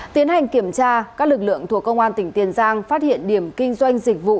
tiến hành kiểm tra các lực lượng thuộc công an tỉnh tiền giang phát hiện điểm kinh doanh dịch vụ